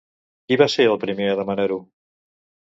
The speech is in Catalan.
Qui va ser el primer a demanar-ho?